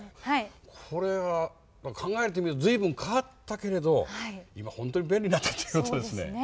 これは考えてみると随分変わったけれど今本当に便利になったっていうことですね。